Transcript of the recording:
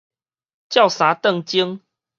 照三頓舂